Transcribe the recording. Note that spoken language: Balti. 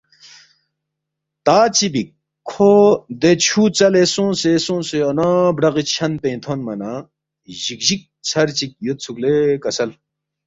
“ تا چِہ بیک کھو دے چُھو ژَلے سونگسے سونگسے اَنا برَغی چھن پِنگ تھونما نہ جِگجِگ ژھر چِک یودسُوک لے کسل